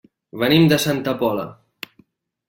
Venim de Santa Pola.